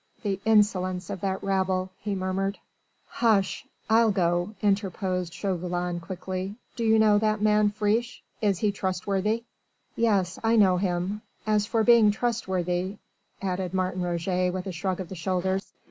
"The insolence of that rabble ..." he murmured. "Hush! I'll go," interposed Chauvelin quickly. "Do you know that man Friche? Is he trustworthy?" "Yes, I know him. As for being trustworthy ..." added Martin Roget with a shrug of the shoulders.